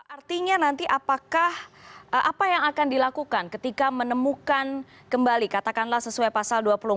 artinya nanti apakah apa yang akan dilakukan ketika menemukan kembali katakanlah sesuai pasal dua puluh empat